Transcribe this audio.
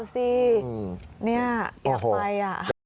ดูสิเนี่ยเกียรติไปอ่ะ